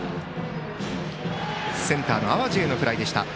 センターの淡路へのフライでした。